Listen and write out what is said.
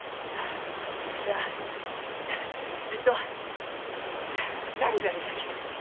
いやちっとジャリジャリしたき。